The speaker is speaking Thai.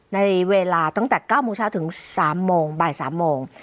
ในเวลาตั้งแต่๙โมงเช้าถึง๓โมงบ่าย๓โมง